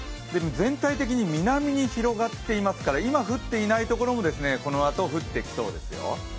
全体的に南に広がっていますから、今降っていないところもこのあと降ってきそうですよ。